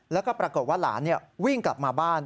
แล้วก็ปรากฏว่าหลานวิ่งกลับมาบ้าน